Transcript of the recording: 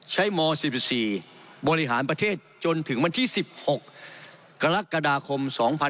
ม๔๔บริหารประเทศจนถึงวันที่๑๖กรกฎาคม๒๕๖๒